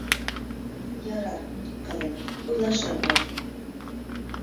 — Ярар, ҡыҙым, уйлашырбыҙ.